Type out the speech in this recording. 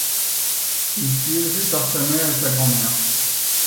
Il fut élevé par sa mère et sa grand-mère.